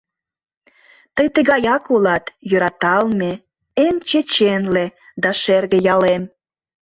Тый тыгаяк улат, йӧраталме, Эн чеченле да шерге ялем!